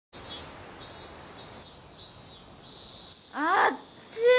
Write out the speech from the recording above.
あっちー